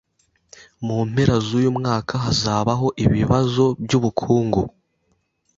Mu mpera zuyu mwaka hazabaho ibibazo byubukungu.